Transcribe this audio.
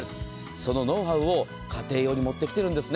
そのノウハウを家庭用に持ってきているんです。